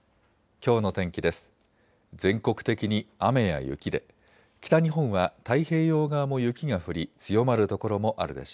きょうの天気です。